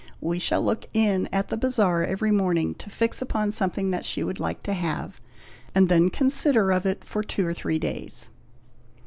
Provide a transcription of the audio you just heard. We shall look in at the bazaar every morning, to fix upon something that she would like to have, and then consider of it for two or three days."